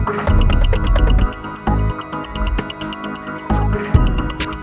bisa jauh jauhan aja gak